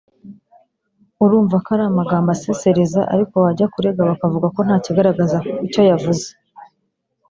urumva ko ari amagambo asesereza ariko wajya kurega bakavuga ko ntakigaragaza icyo yavuze